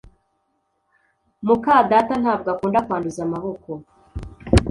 muka data ntabwo akunda kwanduza amaboko